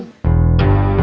tidak ada yang tahu